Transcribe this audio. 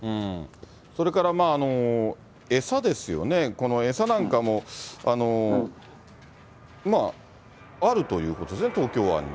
それから、餌ですよね、この餌なんかも、あるということですね、東京湾に。